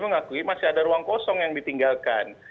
mengakui masih ada ruang kosong yang ditinggalkan